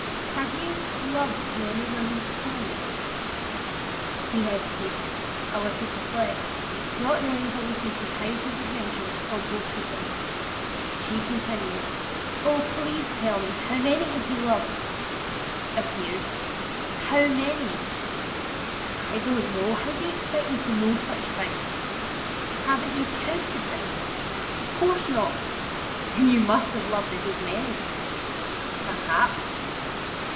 "Have you loved many women before me?" He hesitated, a little perplexed, not knowing whether he should hide his adventures or boast of them. She continued: "Oh! please tell me. How many have you loved?" "A few." "How many?" "I don't know. How do you expect me to know such things?" "Haven't you counted them?" "Of course not." "Then you must have loved a good many!" "Perhaps."